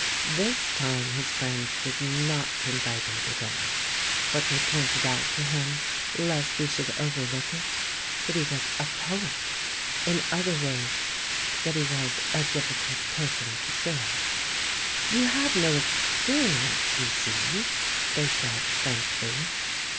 This time his friends did not invite him to dinner, but they pointed out to him, lest he should overlook it, that he was a poet — in other words, that he was a difficult person to serve. "You have no experience, you see," they said frankly.